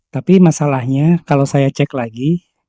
tapi masalahnya kalau saya cek lagi